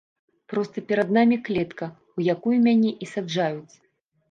Проста перад намі клетка, у якую мяне і саджаюць.